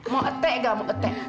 mau enak gak mau enak